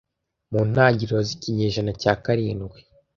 Mu ntangiriro z’ikinyejana cya karindwi